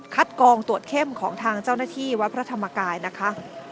กองตรวจเข้มของทางเจ้าหน้าที่วัดพระธรรมกายนะคะ